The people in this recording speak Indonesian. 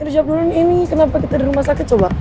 ya udah jawab dulu nih ini kenapa kita di rumah sakit coba